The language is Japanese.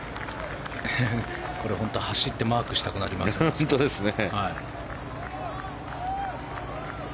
これ、走ってマークしたくなりますね。